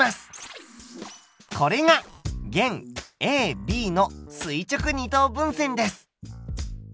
これが弦ＡＢの垂直二等分線です。